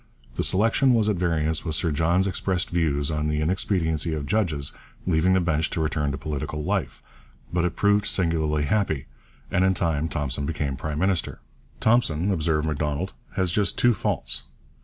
The selection was at variance with Sir John's expressed views on the inexpediency of judges leaving the bench to return to political life, but it proved singularly happy, and in time Thompson became prime minister. 'Thompson,' observed Macdonald, 'has just two faults.